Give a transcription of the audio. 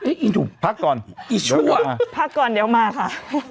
เอ้ยอีหนุ่มไอ้ชั่วพักก่อนเดี๋ยวมาค่ะ